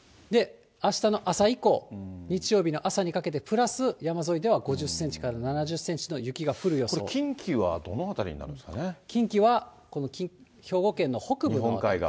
あしたの朝以降、日曜日の朝にかけてプラス山沿いでは５０センチから７０センチのこれ、近畿はどの辺りになる近畿は兵庫県の北部。